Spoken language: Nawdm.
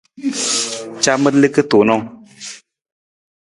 Camar liki tuunng.